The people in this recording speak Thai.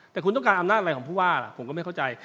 แต่คุณต้องการอำนาจอะไรของผู้ว่าล่ะผมก็ไม่เข้าใจ